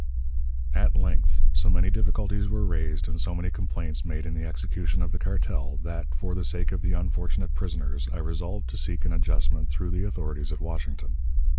At length, so many difficulties were raised and so many complaints made in the execution of the cartel, that, for the sake of the unfortunate prisoners, I resolved to seek an adjustment through the authorities at Washington.